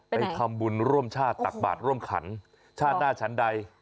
ไปทำบุญร่วมชาติตักบาทร่วมขันชาติหน้าชั้นใด